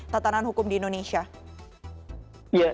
tataan hukum di indonesia